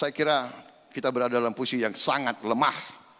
saya kira kita berada dalam posisi yang sangat lemah